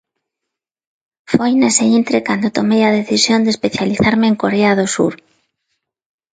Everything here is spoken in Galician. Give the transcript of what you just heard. Foi nese intre cando tomei a decisión de especializarme en Corea do Sur.